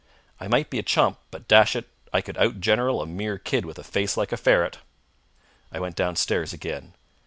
I might be a chump, but, dash it, I could out general a mere kid with a face like a ferret. I went downstairs again.